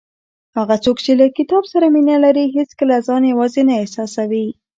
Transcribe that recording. هغه څوک چې له کتاب سره مینه لري هیڅکله ځان یوازې نه احساسوي.